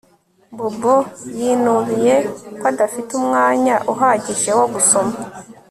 Bobo yinubiye ko adafite umwanya uhagije wo gusoma